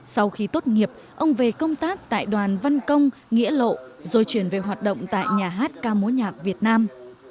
sau khi tốt nghiệp ông về công tác tại đoàn văn công nghĩa lộ rồi chuyển về hoạt động tại nhà hát ca mối nhạc việt nam